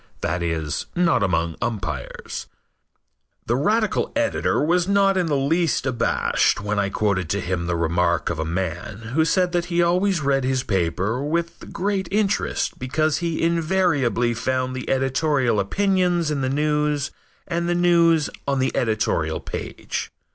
That is, not among umpires. The radical editor was not in the least abashed when I quoted to him the remark of a man who said that he always read his paper with great interest because he invariably found the editorial opinions in the news and the news on the editorial page.